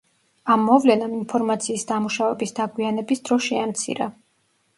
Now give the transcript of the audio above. ამ მოვლენამ ინფორმაციის დამუშავების დაგვიანების დრო შეამცირა.